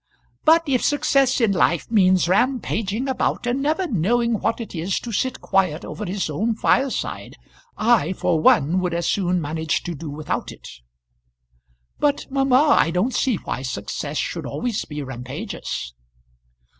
"But if success in life means rampaging about, and never knowing what it is to sit quiet over his own fireside, I for one would as soon manage to do without it." "But, mamma, I don't see why success should always be rampageous."